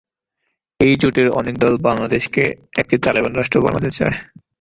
এই জোটের অনেক দল বাংলাদেশকে একটি তালেবান রাষ্ট্র বানাতে চায়।